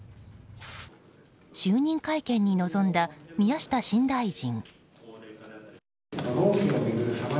就任会見に臨んだ宮下新大臣。